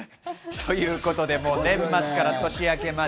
ということで、年末から年明けまで。